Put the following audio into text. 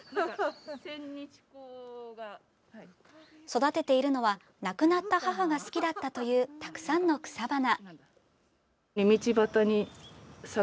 育てているのは亡くなった母が好きだったというたくさんの草花。